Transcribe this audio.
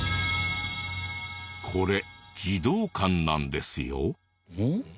これ児童館なんですよ。